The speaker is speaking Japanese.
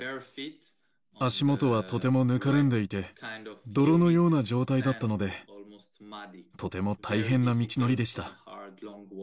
足元はとてもぬかるんでいて、泥のような状態だったので、とても大変な道のりでした。